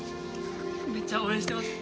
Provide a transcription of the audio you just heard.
めっちゃ応援してます。